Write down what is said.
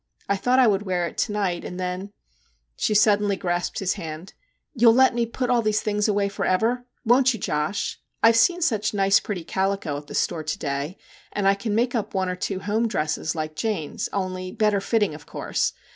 I thought I would wear it to night, and then,' she suddenly grasped his hand, ' you '11 let me put all these things away for ever ! Won't you, Josh ? I 've seen such nice pretty calico at the store to day, and I can make up one or two home dresses, like Jane's, only better fitting, of course.